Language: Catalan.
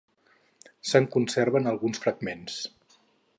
Se'n conserven alguns fragments.